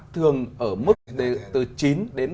thường ở mức tăng của tiêu dùng